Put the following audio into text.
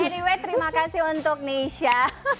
but anyway terima kasih untuk nisha